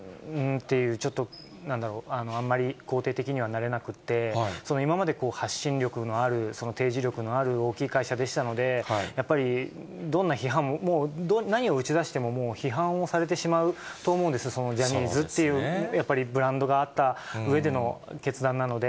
っていう、ちょっとなんだろう、あんまり肯定的にはなれなくて、今まで発信力のある、その提示力のある大きい会社でしたので、やっぱり、どんな批判も、何を打ち出しても、もう批判をされてしまうと思うんです、ジャニーズという、やっぱり、ブランドがあったうえでの決断なので。